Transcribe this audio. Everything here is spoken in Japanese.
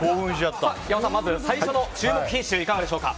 八尾さん、最初の注目品種はいかがでしょうか？